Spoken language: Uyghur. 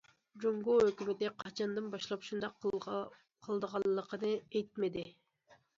جۇڭگو ھۆكۈمىتى قاچاندىن باشلاپ شۇنداق قىلىدىغانلىقىنى ئېيتمىدى.